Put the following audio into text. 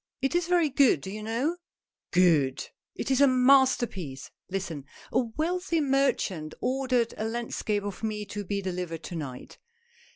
It is very good, do you know ?"" Good ! It is a masterpiece." " Listen. A wealthy merchant ordered a landscape of me to be delivered to night.